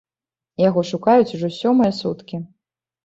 Яго шукаюць ужо сёмыя суткі.